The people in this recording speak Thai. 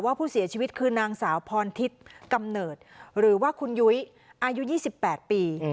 ว่าผู้เสียชีวิตคือนางสาวพรทิศกำเนิดหรือว่าคุณยุ้ยอายุยี่สิบแปดปี